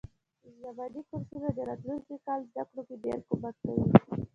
ژمني کورسونه د راتلونکي کال زده کړو کی ډیر کومک کوي.